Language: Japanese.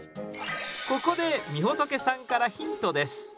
ここでみほとけさんからヒントです。